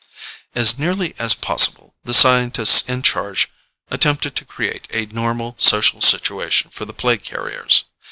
"As nearly as possible, the scientists in charge attempted to create a normal social situation for the plague carriers.